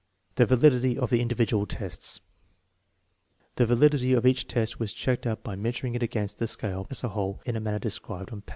/ The validity of the individual testsi^The validity of each test was checked up by measuring it against the scale as a whole in the manner described on p.